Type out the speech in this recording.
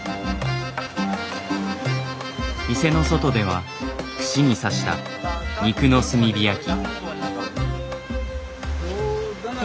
店の外では串に刺した肉の炭火焼き。